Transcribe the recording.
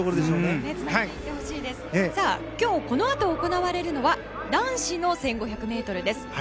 今日このあと行われるのは男子の１５００ｍです。